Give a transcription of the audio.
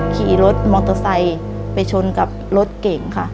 ขี่รถมอเตอร์ไซค์ไปชนกับรถเก่งค่ะ